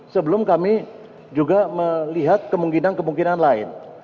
sebelum kami juga melihat kemungkinan kemungkinan lain